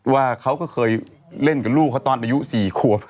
ว่าเขาก็เคยเล่นกับลูกเขาตอนอายุ๔ขวบ